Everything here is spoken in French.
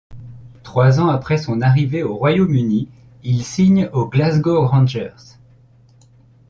Trois ans après son arrivée au Royaume-Uni, il signe aux Glasgow Rangers.